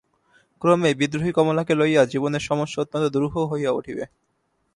ক্রমেই বিদ্রোহী কমলাকে লইয়া জীবনের সমস্যা অত্যন্ত দুরূহ হইয়া উঠিবে।